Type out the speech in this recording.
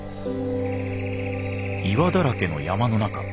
岩だらけの山の中。